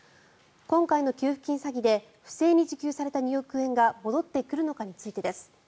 今回の給付金詐欺で不正に受給された２億円が戻ってくるのかについてです。